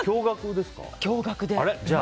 共学で。